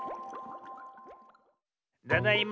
ただいま。